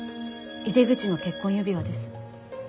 井出口の結婚指輪です。